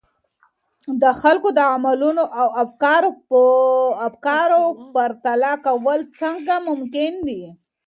د خلګو د عملونو او افکارو پرتله کول څنګه ممکن دي؟